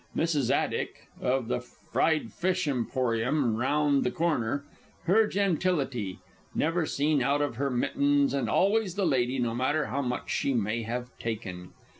_ Mrs. Addick _(of the fried fish emporium round the corner); her gentility "Never seen out of her mittens, and always the lady, no matter how much she may have taken."